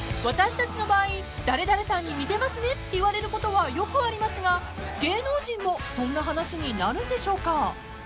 ［私たちの場合「誰々さんに似てますね」って言われることはよくありますが芸能人もそんな話になるんでしょうか？］